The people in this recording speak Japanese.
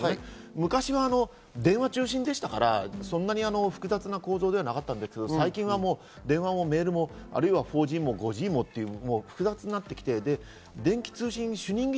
昔は電話中心でしたから、そんなに複雑な構造ではなかったんですけど最近は電話もメールも或いは４Ｇも５Ｇも技術がおっつかない。